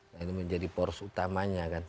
nah ini menjadi poros utamanya kan